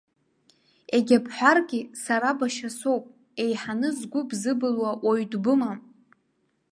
Егьа бҳәаргьы, сара башьа соуп, еиҳаны згәы бзыбылуа уаҩ дбымам.